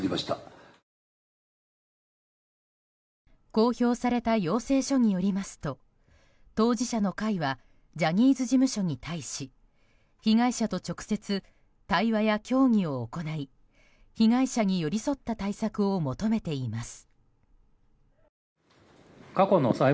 公表された要請書によりますと当事者の会はジャニーズ事務所に対し被害者と直接、対話や協議を行い被害者に寄り添った対策を求めています。